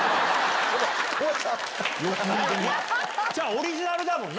オリジナルだもんな？